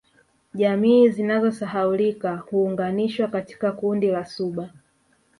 Jamii zinazosahaulika huunganishwa katika kundi la Suba